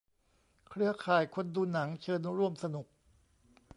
"เครือข่ายคนดูหนัง" เชิญร่วมสนุก